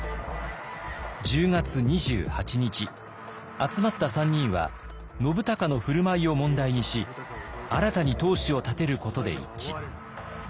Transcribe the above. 集まった３人は信孝の振る舞いを問題にし新たに当主を立てることで一致。